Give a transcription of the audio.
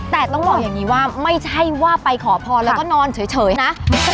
แต่ต้องบอกอย่างนี้ว่าไม่ใช่ว่าไปขอพรแล้วก็นอนเฉยนะ